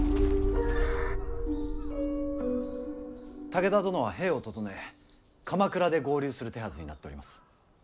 武田殿は兵を調え鎌倉で合流する手はずになっております。